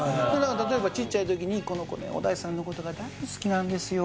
例えばちっちゃい時に「この子ね」「小田井さんのことが大好きなんですよ」